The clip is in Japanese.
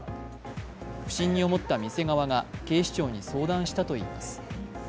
不審に思った店側が警視庁に相談したといいます。